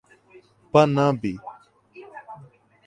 Panambi